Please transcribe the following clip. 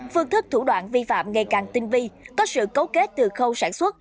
phương thức thủ đoạn vi phạm ngày càng tinh vi có sự cấu kết từ khâu sản xuất